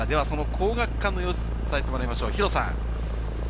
皇學館の様子を伝えてもらいましょう、弘さん。